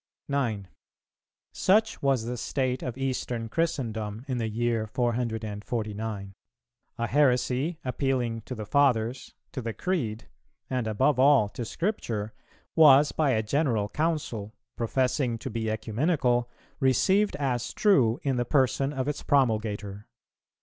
9. Such was the state of Eastern Christendom in the year 449; a heresy, appealing to the Fathers, to the Creed, and, above all, to Scripture, was by a general Council, professing to be Ecumenical, received as true in the person of its promulgator.